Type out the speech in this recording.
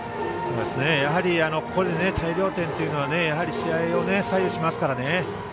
やはりここで大量点というのは試合を左右しますからね。